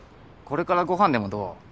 これからご飯でもどう？